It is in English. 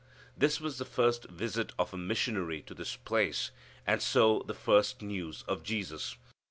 This was the first visit of a missionary to this place and so the first news of Jesus.